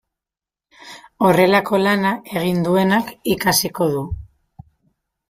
Horrelako lana egin duenak ikasiko du.